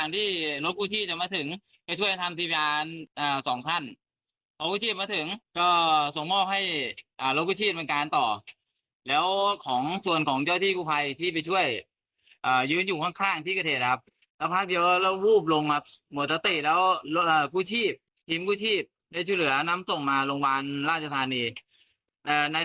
ทีมผู้ชีพได้จุดเหลือน้ำส่งมาโรงพยาบาลราชธานี